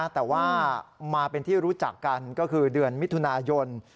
แต่ว่ามาเป็นที่รู้จักกันก็คือเดือนมิถุนายน